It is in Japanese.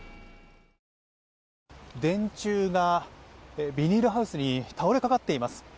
電柱がビニールハウスに倒れかかっています。